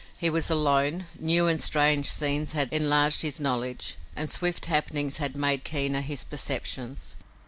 He was alone; new and strange scenes had enlarged his knowledge and swift happenings had made keener his perceptions.